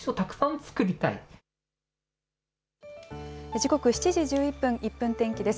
時刻７時１１分、１分天気です。